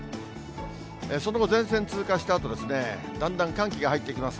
その後、前線通過したあと、だんだん寒気が入っていきます。